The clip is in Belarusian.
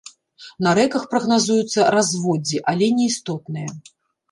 На рэках прагназуюцца разводдзі, але неістотныя.